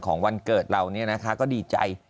ของวันเกิดเรานี้นะคะก็ดีใจ